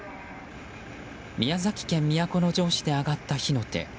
宮崎県都城市で上がった火の手。